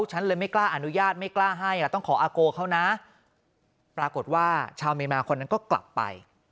ฉันเลยไม่กล้าอนุญาตไม่กล้าให้อ่ะต้องขออาโกเขานะปรากฏว่าชาวเมียนมาคนนั้นก็กลับไป